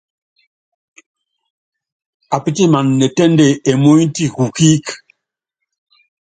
Apítiman ne ténde emúny ti kukíík.